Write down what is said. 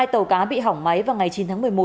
hai tàu cá bị hỏng máy vào ngày chín tháng một mươi một